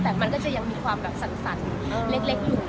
แต่มันก็จะยังมีความแบบสั่นเล็กอยู่